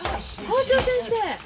校長先生！